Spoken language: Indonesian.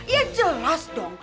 ya jelas dong